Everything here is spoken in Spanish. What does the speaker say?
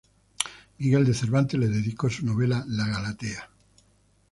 Miguel de Cervantes le dedicó su novela La Galatea.